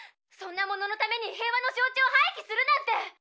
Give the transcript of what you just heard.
そんなもののために平和の象ちょうをはいきするなんて！